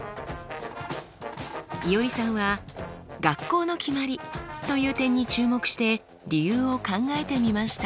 いおりさんは「学校の決まり」という点に注目して「理由」を考えてみました。